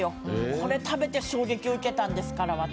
これを食べて衝撃を受けたんですから、私。